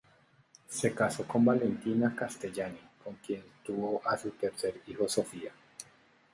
Se casó con Valentina Castellani, con quien tuvo a su tercer hijo, Sofia.